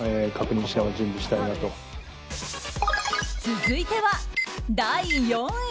続いては第４位。